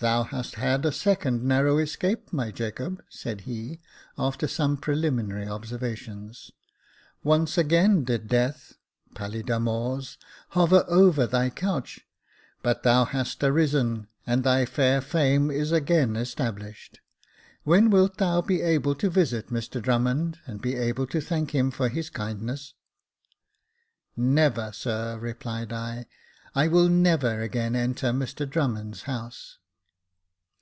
" Thou hast had a second narrow escape, my Jacob," said he, after some preliminary observations. *' Once again did death (^pallida mors) hover over thy couch ; but thou hast arisen, and thy fair fame is again established. When wilt thou be able to visit Mr Drummond, and be able to thank him for his kindness ?"Never, sir," replied I. I will never again enter Mr Drummond's house."